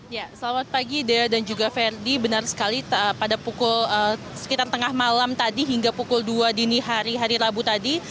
ya selamat pagi dea dan juga ferdi benar sekali pada pukul sekitar tengah malam tadi hingga pukul dua dini hari hari rabu tadi